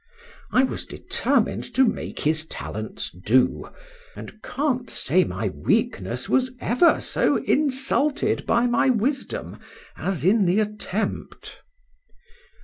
I was determined to make his talents do; and can't say my weakness was ever so insulted by my wisdom as in the attempt.